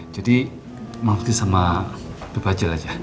jadi mamski sama bebacel aja